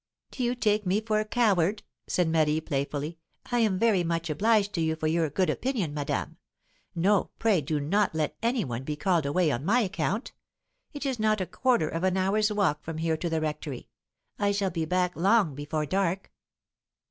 "Do you take me for a coward?" said Marie, playfully. "I am very much obliged to you for your good opinion, madame. No, pray do not let any one be called away on my account. It is not a quarter of an hour's walk from here to the rectory. I shall be back long before dark."